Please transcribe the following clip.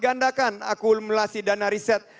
gandakan akumulasi dana riset